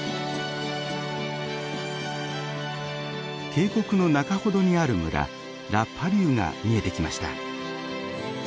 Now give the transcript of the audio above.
渓谷の中ほどにある村ラ・パリューが見えてきました。